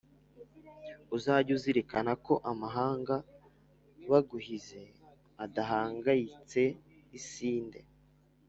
Uzajye uzirikana ko amahanga Baguhize adahangayitse Isinde